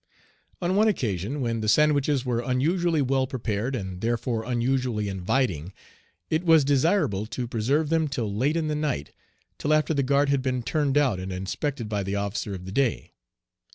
On one occasion when the sandwiches were unusually well prepared, and therefore unusually inviting, it was desirable to preserve them till late in the night, till after the guard had been turned out and inspected by the officer of the day.